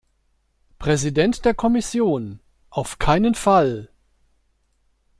Präsident der Kommission. Auf keinen Fall.